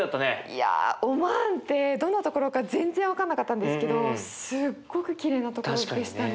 いやオマーンってどんなところか全然分かんなかったんですけどすっごくきれいなところでしたね。